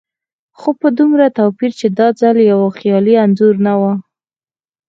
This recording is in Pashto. خو په دومره توپير چې دا ځل دا يو خيالي انځور نه و.